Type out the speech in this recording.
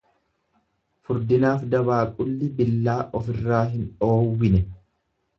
Furdinaaf dabaaqulli billaa ofirraa hin dhoowwine.